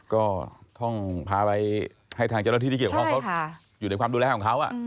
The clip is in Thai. ก็ต้องพาไปให้ทางเจ้าหน้าที่ที่เกี่ยวข้องเขาอยู่ในความดูแลของเขา